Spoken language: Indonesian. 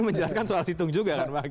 menjelaskan soal situng juga kan